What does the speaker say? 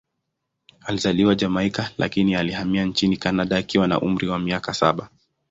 Alizaliwa Jamaika, lakini alihamia nchini Kanada akiwa na umri wa miaka saba.